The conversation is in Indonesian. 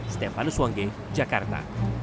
stefanus wangge jakarta